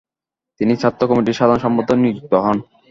তিনি ছাত্র কমিটির সাধারণ সম্পাদক নিযুক্ত হন।